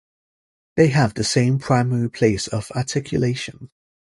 They have the same primary place of articulation.